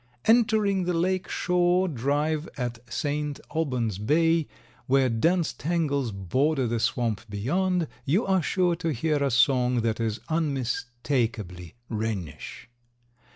Entering the Lake Shore drive at St. Albans Bay, where dense tangles border the swamp beyond, you are sure to hear a song that is unmistakably wrennish.